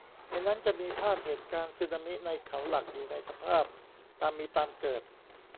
ในนั้นจะมีภาพเหตุการณ์สึนามิในเขาหลักอยู่ในสภาพตามมีตามเกิด